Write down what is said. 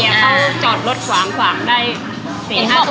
เขาจอดรถขวางได้๔๕ตัวใหญ่มาก